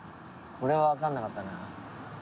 これはわかんなかったな。